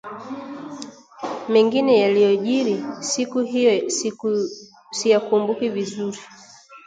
Mengine yaliyojiri siku hiyo siyakumbuki vizuri